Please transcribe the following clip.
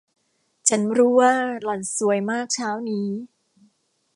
ฉันรู้ว่าหล่อนสวยมากเช้านี้